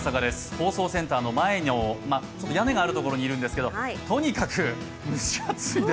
放送センターの前の屋根があるところにいるんですけど、とにかく蒸し暑いです。